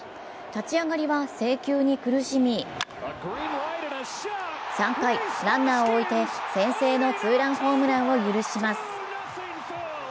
立ち上がりは制球に苦しみ３回、ランナーを置いて先制のツーランホームランを許します。